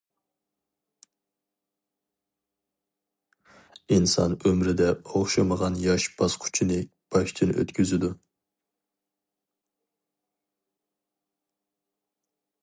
ئىنسان ئۆمرىدە ئوخشىمىغان ياش باسقۇچىنى باشتىن ئۆتكۈزىدۇ.